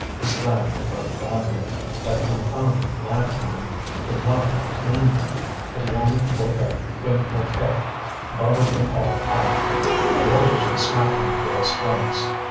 His lamp burnt badly, that confounded lamp man could not have cleaned it; and he only woke up when Mouquet bundled them all off, roguishly smacking the girls' flanks.